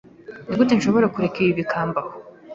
Nigute ushobora kureka ibi bikambaho?